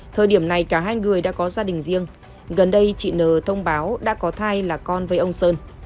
thời điểm này cả hai người đã có gia đình riêng gần đây chị nờ thông báo đã có thai là con với ông sơn